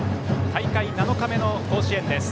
大会７日目の甲子園です。